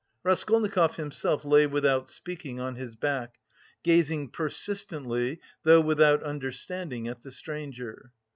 Raskolnikov himself lay without speaking, on his back, gazing persistently, though without understanding, at the stranger.